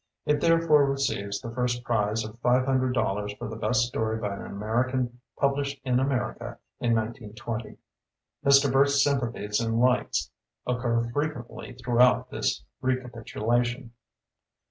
It therefore re ceives the first prize of five hundred dollars for the best story by an Amer ican published in America in 1920.^ Mr. Burt's sympathies and likes oc cur frequently throughout this re capitulation.